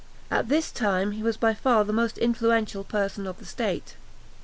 At this time he was by far the most influential person of the state.